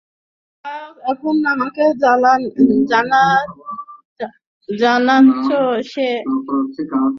যা, এখন আমাকে জ্বালাস নে– আমার অনেক কাজ আছে।